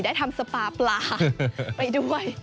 ได้ทำสปาปลาไปด้วย